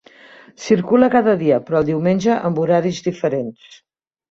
Circula cada dia, però el diumenge amb horaris diferents.